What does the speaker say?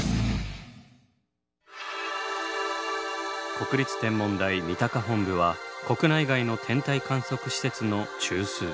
国立天文台三鷹本部は国内外の天体観測施設の中枢。